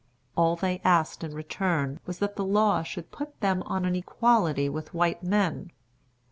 All they asked in return was that the law should put them on an equality with white men.